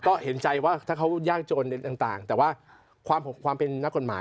ก็เห็นใจว่าถ้าเขายากจนต่างแต่ว่าความเป็นนักกฎหมาย